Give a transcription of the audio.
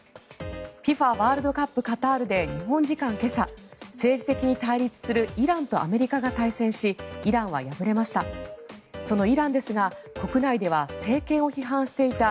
ワールドカップカタールで日本時間今朝、政治的に対立するイランとアメリカが対戦しイランは敗れました。